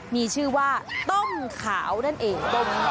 มีชื่อว่าต้มขาวนั่นเอง